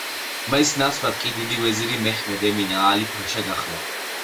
მის ნაცვლად კი დიდი ვეზირი მეჰმედ ემინ აალი-ფაშა გახდა.